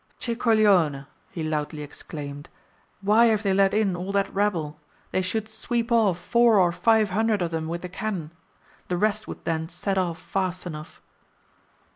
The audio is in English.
"Che coglione!" he loudly exclaimed. "Why have they let in all that rabble! They should sweep off four or five hundred of them with the cannon; the rest would then set off fast enough."